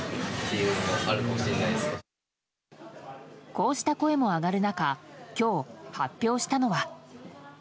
こうした声も上がる中今日発表したのは。